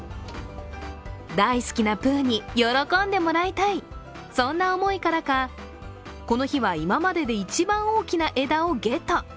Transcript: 大好きなプーに喜んでもらいたい、そんな思いからかこの日は今までで一番大きな枝をゲット。